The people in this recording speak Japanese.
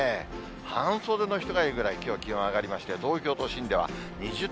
半袖の人がいるぐらい、きょう、気温上がりまして、東京都心では２０．４度。